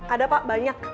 ada pak banyak